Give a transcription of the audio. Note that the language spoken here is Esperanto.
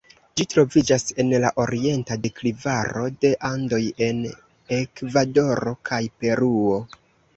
Ĝi troviĝas en la orienta deklivaro de Andoj en Ekvadoro kaj Peruo.